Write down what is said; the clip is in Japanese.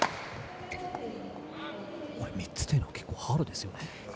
３つというのは結構、ハードですよね。